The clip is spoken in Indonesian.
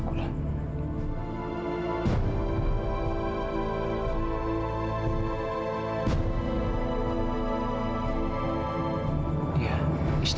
kamu itu ngambil requisit